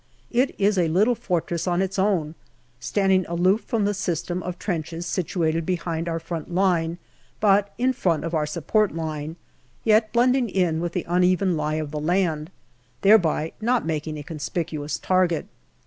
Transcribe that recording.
It is a little fortress on its own, standing aloof from the system of trenches situated behind our front line, but in front of our support line, yet blending in with the uneven lie of the land, thereby not making a conspicuous target.